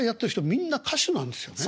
みんな歌手なんですよね。